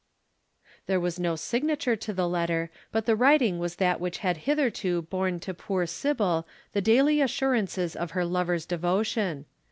"There was no signature to the letter, but the writing was that which had hitherto borne to poor Sybil the daily assurances of her lover's devotion.